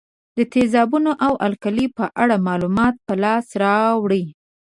د تیزابونو او القلیو په اړه معلومات په لاس راوړئ.